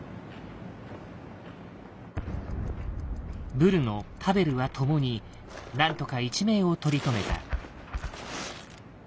ブルノパヴェルは共に何とか一命を取り留めた。